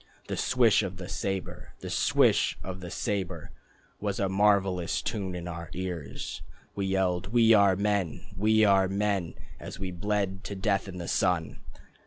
The swish of the sabre, The swish of the sabre, Was a marvellous tune in our ears. We yelled "We are men, We are men." As we bled to death in the sun....